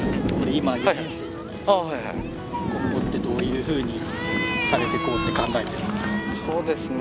今後ってどういうふうにされていこうって考えてるんですか？